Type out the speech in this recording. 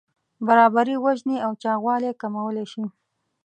برابري وژنې او چاغوالی کمولی شي.